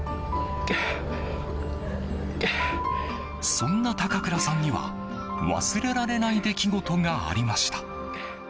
そんな高倉さんには忘れられない出来事がありました。